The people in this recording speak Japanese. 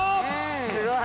すごい！